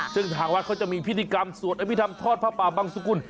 ซึ่งทางวัดเขาจะมีพิธีกรรมทอดผ้าป่าบางสกุล